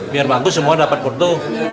biar bagus semua dapat foto